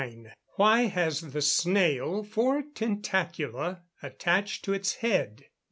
_Why has the snail four tentacula attached to its head?